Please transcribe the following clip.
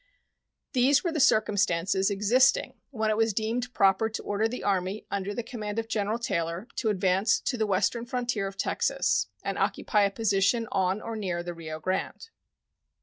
These were the circumstances existing when it was deemed proper to order the Army under the command of General Taylor to advance to the western frontier of Texas and occupy a position on or near the Rio Grande.